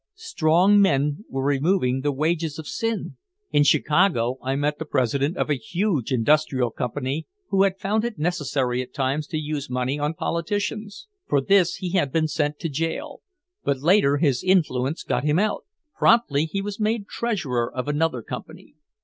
Strong men were removing the wages of sin! In Chicago I met the president of a huge industrial company who had found it necessary at times to use money on politicians. For this he had been sent to jail, but later his influence got him out. Promptly he was made treasurer of another company.